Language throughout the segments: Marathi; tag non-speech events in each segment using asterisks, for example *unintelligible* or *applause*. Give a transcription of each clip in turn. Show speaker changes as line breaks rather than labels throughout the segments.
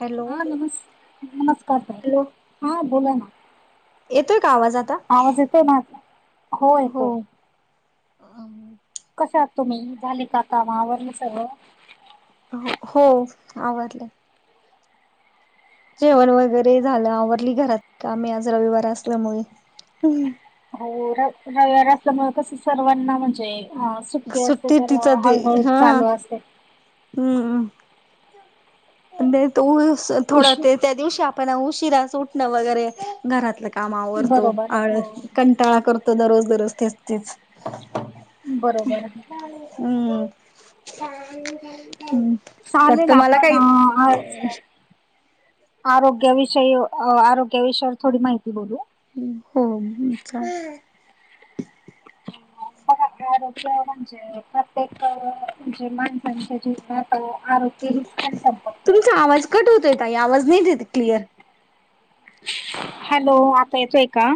हॅलो
हा नमस् नमस्कार भाई
हॅलो
हा बोला ना.
येतोय का आवाजात?
आवाज येतोय माझा? हो येतोय.
आम.
कसे आहात तुम्ही, झाले का काम आवरलं का सगळं?
हो आवरलं. जेवण वगैरे झालं आवरली घरात काम्ही आज रविवार असल्यामुळे.
हो र रविवार असल्यामुळे कस सर्वांना म्हणजे सुट्टी असते तर हळूहळू चालू असते.
हम् हम. उऊस थोडं
उशी
ते त्या दिवशी आपण उशिरा सु उटणं वगैरे. घरातलं काम आवरतो *inaudible*
बरोबर हो
टाळा करतो दररोज दररोज तेचतेच.
बरोबर.
हम्म हम्.
चालेल पण अ आज आरोग्याविषयी आरोग्याविषयावर थोडी माहिती बोलू.
हो चा
रोग म्हणजे प्रत्येक म्हणजे माणसांच्या जीवनात आरोग
तुमचा आवाज कट होतोय तई आवाज नाही देत क्लिअर.
हॅलो आता येतोय का?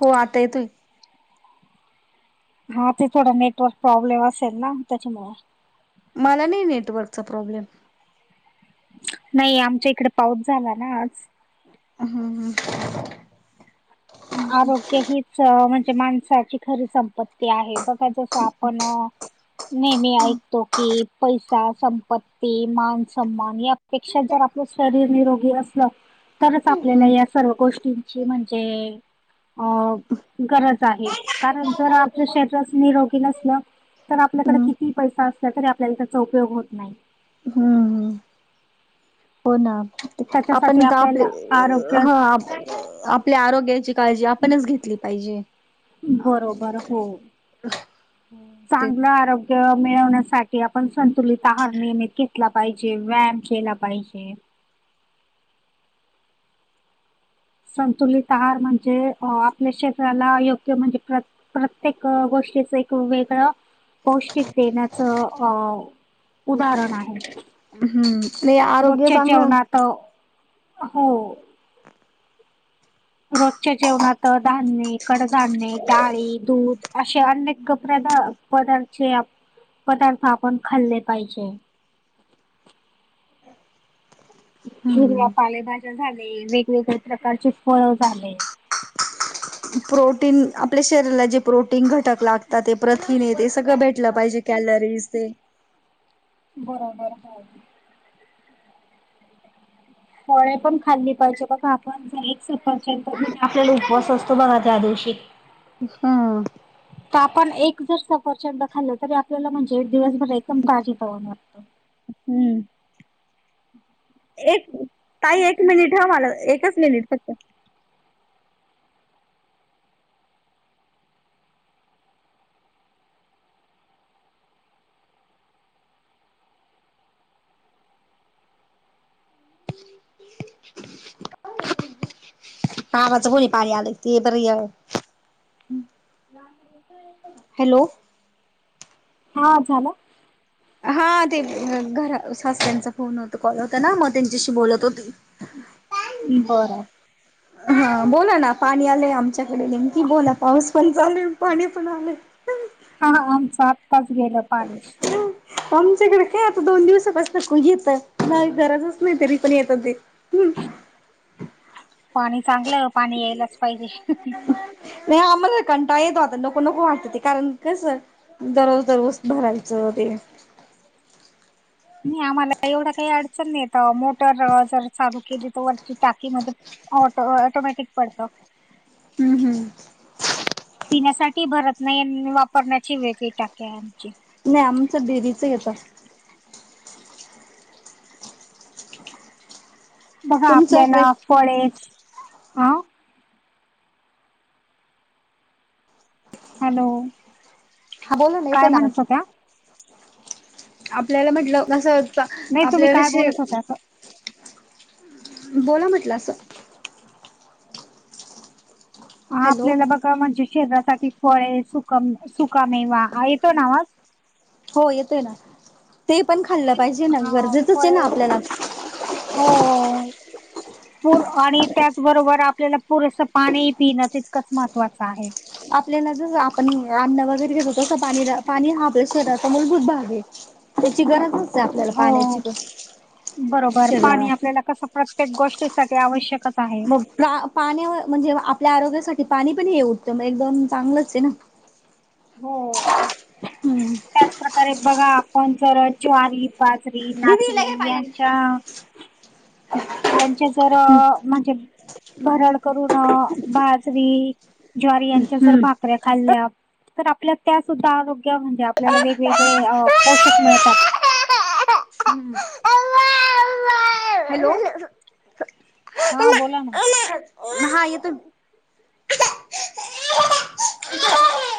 हो आता येतोय.
हा ते थोडा नेटवर्क प्रॉब्लेम असेल ना त्याच्यामुळे.
मला नाही नेटवर्कचा प्रॉब्लेम.
नाही आमच्या इकडे पाऊस झाला ना आज.
हम हम.
आरोग्य हीच म्हणजे माणसाची खरी संपत्ती आहे. बघा जस आपण नेहमी ऐकतो की पैसा, संपत्ती, मान सन्मान या पेक्षा जर आपलं शरीर निरोगी असलं तरच आपल्याला
हम्म
या सर्व गोष्टींची म्हणजे अ गरज आहे कारण जर आपल्या शरी निरोग नअस तर आपल्याकडे
हम्म
किती पैसा असल्या तरी आपल्याला त्याचा उपयोग होत नाही.
हम्म हो ना
त्याच्यासाठी
आपण का आपले
आपल्याला आरोग्य
हा आपल्या आरोग्याची काळजी आपणच घेतली पाहिजे.
बरोबर. हो.
ते
चांगलं आरोग्य मिळवण्यासाठी आपण संतुलित आहार नियमित घेतला पाहिजे व्यायाम केला पाहिजे. संतुलित आहार म्हणजे अ आपल्या शरीराला योग्य म्हणजे प्र प्रत्येक गोष्टीच एक वेगळं पौष्टिक देण्याचं अ उदाहरण आहे.
हम्म नाही आरोग्य
रोजच्या
चांगलं
जेवणात हो. रोजच्या जेवणात धान्य, कडधान्य, डाळी, दूध असे अनेक कपध पदार्थचे पदार्थ आपण खाल्ले पाहिजे. वेगळ्या
हम्म
पालेभाज्या झाले, वेगवेगळ्या प्रकारचे फळ झाले.
प्रोटीन आपल्या शरीराला जे प्रोटीन घटक लागतात ते प्रथिन येते सगळं भेट लं पाहिजे कॅलरीज ते.
बरोबर बरोबर. फळे पण खाल्ली पाहिजे बघ आपण म्हणजे आपल्याला उपवास असतो बघा त्या दिवशी.
हा
तर आपण एक जर सफरच्यांद खाल्लं तरी आपल्याला म्हणजे एक दिवसभर एकदम ताजी पवण वाटत
हम्म एक ताई एक मिनिट ह मला एकच मिनिट फक्त *unintelligible* कावाचं कोणी पाणी आलं ते बरी हॅलो
हा झालं
हा ते घरास््यांचा फोन होत कॉल होता ना मग त्यांच्याशी बोलत होती
बरं
हा बोला ना पाणी आलं आमच्याकडे नेमकी बोला पाऊस पण चाले पाणी पण आले
हा आमचं आत्ताच गेलं पाणी
आमच्याकडे काय आता दोन दिवसापास नक येत नाही गरजच नाही तरी पण येत ते
पाणी चांगलं पाणी यायलाच पाहिजे
नाही आम्हाला कंटा येत आता नको नको वाटत ते कारण कस दररोज दररोज भरायचं ते
नाही आम्हाला एवढं काही अडचण नाहीता मोटर जर चालू केली तर वरती टाकी म ऑटो ऑटोमॅटिक पडतो
हम् हम्म
पिण्यासाठी भरत नाही वापरण्याची वेगळी टाके आहे आमची
नाही आमचं डेरीच येत
बघा
तुमचं
आपल्याला फळेस अ हॅलो
हा बोल नाेत
काय म्हणत
नमस्
होत्या?
आपल्याला म्हटलं कसं होत
नाही तुम्ही
आपल्याला
काय
जशी
बोलत होता असं?
बोला म्हटलं असं
ह
हॅलो
आपल्याला बघा म्हणजे शरीरासाठी फळे सुका सुकामेवा येतो ना वा
हो येत आहे ना ते पण खाल्लं पाहिजे ना
हा
गरजेचंच आहे ना
फळे
आपल्याला
हो पू आणि त्याचबरोबर आपल्याला पुरेसं पाणी पिणं तितकंच महत्त्वाचं आहे
आपल्याला जस आपण अन्न वगैरे घेतो तसं पाणी पाणी हा आपल्या शरीराचा मूलभूत भाग आहे त्याची गरज नते आपल्याला
हो
पाण्याची
बरोबर
प
पाणी कसं प्रत्येक गोष्टीसाठी आवश्यकच आहे
मग प्रा पाण्या म्हणजे आपल्या आरोग्यासाठी पाणी पण हे उठतं एकदम चांगलंच आहे ना
हो हो
हम्म
े बघा आपण जर ज्वारी बाजरी
दिदी हिला
नाचरी
घे पाणी
यांच्या यांचे जर म्हणजे भरड करून बाजरी ज्वारी यांच्या जर भाकऱ्या खाल्ल्या तर आपल्या त्या सुद्धा म्हणजे आपल्याला वेगवेगळे पोषक मिळतात
आणून हम्म
हा
हॅलो
बोला ना
हा य तर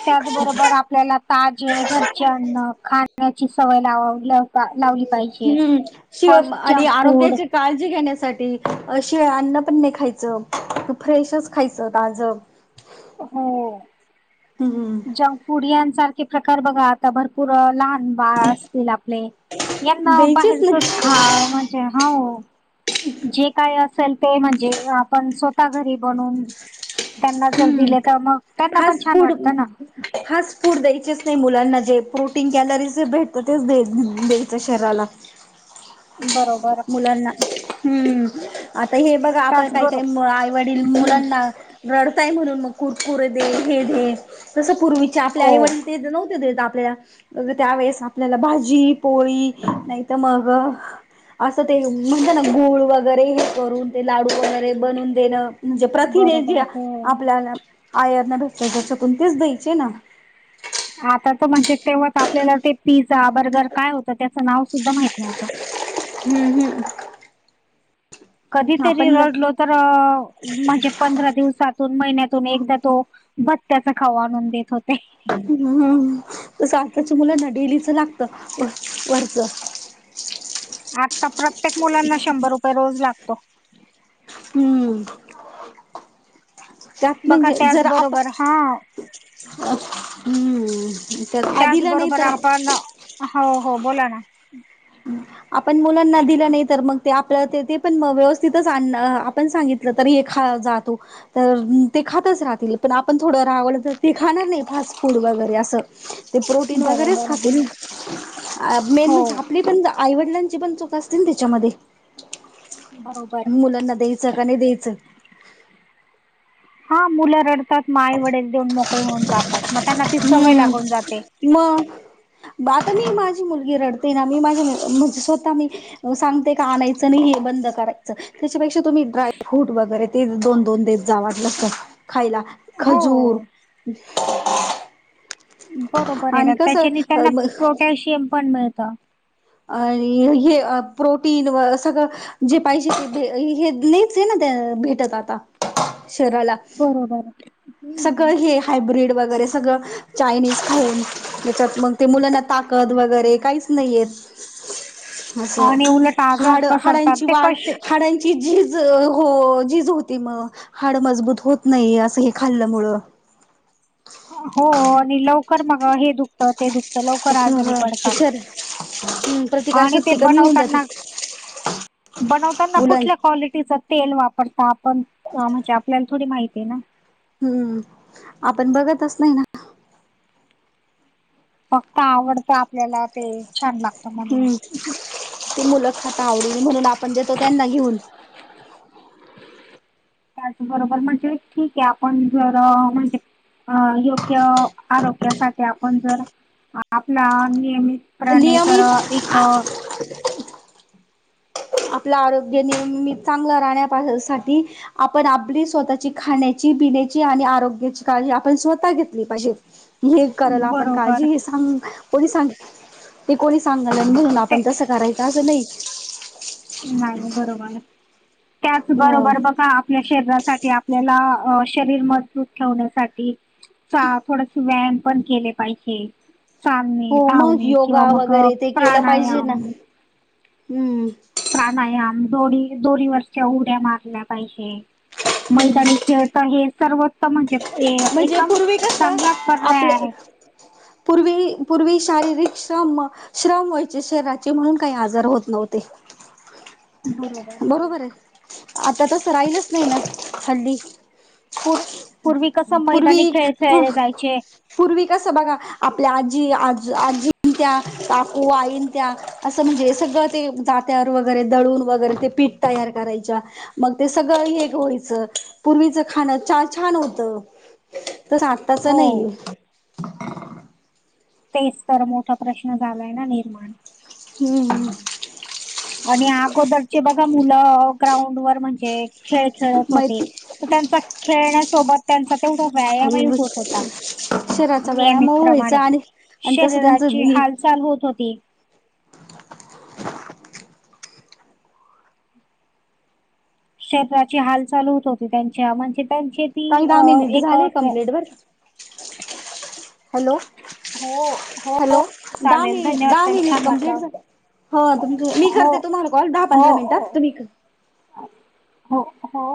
त्याचबरोबर आपल्याला ताजे घरचे अन्न खाण्याची सवय लाववली लावली पाहिजे
शिव
फर्स्ट
आणि
जंक फूड
आरोग्याचे काळजी घेण्यासाठी अशी अन्नपणणे खायचं फ्रेशच खायचं ताजं
हो
हम्म
ज पुुडयासारखे प्रकार बघा आता भरपूर लहान बाळ असतील आपले यांना
द्यायचीच नाही
बाहेरचच खा म्हणजे हो जे काय असेल ते म्हणजे आपण स्वतः घरी बनून त्यांना दि
हम्म
तर मग त्यांना पण
फास्ट
छान
फूड
वाटत ना
फास्ट फूड द्यायचेच नाही मुलांना जे प्रोटीन कॅलरीजे भेटत तेच द्यायचं शरीराला
*inaudible*
मुलांना हम्म आता हे बघा आपण काही
त्याचबरोबर
काही मुलांना रडतंय म्हणून म कुरकुर दे हे दे तस पूर्वी ते आपले
हो
आईवडील ते नव्हते देत आपल्या अग त्यावेेळेस आपल्याला भाजी पोळी नाही तर मग असं ते म्हणजे ना गुळ वगैरे हे करून ते लाडू वगैरे बनवून देण म्हणजे प्रथिने जे
बरोबर हो
आपल्याला आयर्न भेटतय जच्यातून तेच द्यायचे ना
आता तर म्हणजे तेव्हाच आपल्याला ते पिझ्झा बर्गर काय होतं त्याचं नाव सुद्धा माहित नव्हतं.
हम्म हम्
कधीतरी
आपण
रडलो तर म्हणजे पंधरा दिवसातून महिन्यातून एकदा तो भत्त्याच खवा आणून देत होते.
हम् तसं आताच्या मुलांना डेलीचं लागतं वरच
आता प्रत्येक मुलांना शंभर रुपये रोज लागतो.
हम्म त्यात
बघा
म्हणजे जरा
त्याचबरोबर हा
आपण हम्म तर आधीला नाही
त्याचबरोबर
तर आप
आपण हो हो बोला ना
आपण मुलांना दिलं नाही तर मग ते आपल्या ते पण व्यवस्थितच आण आपण सांगित तरी हे खा जातो. तर ते खातच राहतील पण आपण थोडं रागावलं तर ते खाणार नाही फास्ट फूड वगैरे असं ते प्रोटीन वगैरेच
बरोबर आहे
खातील मेन
हो
म्हणजे आपली पण आईवडिलांची पण चुक असतीना त्याच्यामध्ये
बरोबर
मुलांना द्यायचं का नाही द्यायचं
हा मुलं रडतात मग आई वडील देऊन मोकळ होऊन जातात मग त्यांना ती सवय
हम्म
लागून जाते.
मग आता मी माझी मुलगी रडते ना मी माझी म्हणजे स्वतः मी सांगते का आणायचं नाही हे बंद करा त्याच्यापेक्षा तुम्ही ड्रायफ्रूट वगैरे ते दोन दोन देत जा वाटलंच तर खायला खजूर
हो बरोबर आहे
आणि
ना त्याच्याने त्यांना
कसं
प्रोटॅशियम पण मिळतं.
आणि हे प्रोटीन व सगळं जे पाहिजे ते हे नाहीच आहे ना त्या भेटत आता शरराला
बरोबर
सगळं हे हायब्रीड वगैरे सगळं चायनीज खाऊन त्याच्यात मग ते मुलांना ताकद वगैरे काहीच नाही येत.
आणि उलट आजार पसरतात ते कसे
ते झीज हो झीज होती मग हाड मजबूत होत नाहीत असं हे खाल्ल्यामुळ
हो आणि लवकर मग हे दुखतं ते दुखत तर लवकर आजारी पडतात
शर प्रतिकार
आणि ते
शक्ती कमी होऊन जाते
बनवताना बनवताना कुठल्या
मुलांची
क्वालिटीच तेल वापरतात. आपण म्हणजे आपल्याला थोडी माहिती आहे ना
हम्म आपण बघतच नाही ना
फक्त आवडतं आपल्याला ते छान लागत.
हम्म ती मुलं खात आवडीने म्हणून आपण देतो त्यांना घेऊन
त्याचबरोबर म्हणजे ठीक आहे आपण जर म्हणजे अ योग्य आरोग्यासाठी आपण जर आपला नियमित प्रणेसर
नियमित
एक
आपलं आरोग्य नियमित चांगलं राहण्यासाठी आपण आपली स्वतःची खाण्याची पिण्याची आणि आरोग्याची काळजी आपण स्वतः घेतली पाहिजे हे करायल आपण
बरोबर
काळजी हे सांग कोणी सांगे ते कोणी सांगाला आणि म्हणून
ते
आपण तसं कराय का असं नाही
नाही बरोबर त्याच
अ
बरोबर बघा आपल्या शरीरासाठी आपल्याला शरीर मजबूत ठेवण्यासाठी चा थोडसे व्यायाम पण केले पाहिजे चालणे
हो मग
धावणे किंवा
योगा
मग
वगैरे ते केलं पाहिजे
प्राणायाम
ना हम्म
प्राणायाम दोडी दोरीवररच्या उड्या मारल्या पाहिजे मैदानी खेळच हे सर्वोत्त म्हणजे
म्हणजे
कदम
पूर्वी कसं
चांगला पर्याय
आपले
आहे
पूर्वी पूर्वी शारीरिक श्रम श्रम व्हायचे शरीराचे म्हणून काही आजार होत नव्हते
बरोबर हो.
बरोबर आहे आता तस राहिलच नाही ना हल्ली
पू पूर्वी कसं मैदानी
पूर्वी
खेळ खेळले जायचे
पूर्वी कसं बघा आपल्या आजी आज आजीत्या काकू आईत्या असं म्हणजे सगळं ते जात ्यावर वगैरे दळून वगैरे ते पीठ तयार करायच्या मग ते सगळं एक व्हायचं पूर्वीचं खाणं छान होत त स आठतााच नाही
हो. तेच तर मोठा प्रश्न झालाय ना निर्माण
हम्म
आणि अगोदरचे बघा मुलं ग्राउंड वर म्हणजे खेळ खेळत होते
माहिती
तर त्यांचा खेळण्यासोबत त्यांचा तेवढा व्यायामही होत होता
शरीराचा
नियमित
व्यायाम व्हायचा
प्रमाणे
आणि आणि तसं त्यांचं
शरीराची
नि
हालचाल होत होती शरीराची हाल चालू होत होती त्यांच्या म्हणजे त्यांची ती
काहिदा
अ
मी निीट
एक
झाले कंप्लेट वर हॅलो
हो हो
हॅलो दडम
चालेल धन्यवाद ताई
दडम
छान वाटलं
कंप्ट हो तुमच मी
हो
करते तुम्हाला कॉल दहा
हो
पंधरा
हो
मिनिटात तुम्ही
हो हो